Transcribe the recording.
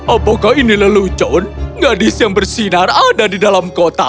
apakah inilah lucun gadis yang bersinar ada di dalam kotak